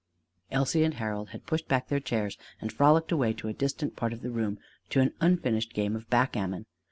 Elsie and Harold had pushed back their chairs and frolicked away to a distant part of the room to an unfinished game of backgammon.